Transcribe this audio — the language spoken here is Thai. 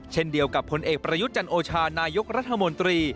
เช่นเดียวกับผลเอกประยุทธ์จันโอชานายกรัฐมนตรี